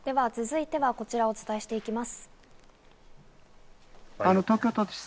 続いてはこちらをお伝えしていきます。